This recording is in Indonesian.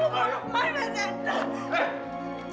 semoga udah terlambat